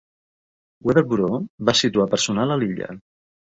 Weather Bureau va situar personal a l'illa.